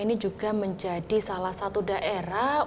berbeda dengan apa yang dikira kira pada masa itu